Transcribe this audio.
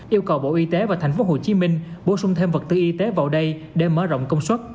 yêu cầu bộ y tế và thành phố hồ chí minh bổ sung thêm vật tư y tế vào đây để mở rộng công suất